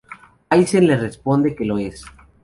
Aizen le responde que lo es.